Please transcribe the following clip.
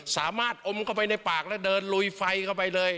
สามารถอมเข้าไปในปากแล้วเดินลุยไฟเข้าไปเลย